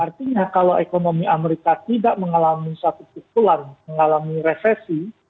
artinya kalau ekonomi amerika tidak mengalami satu pukulan mengalami resesi